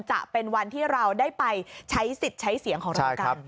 จะเป็นวันที่เราได้ไปใช้สิทธิ์ใช้เสียงของเรากัน